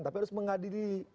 tapi harus mengadili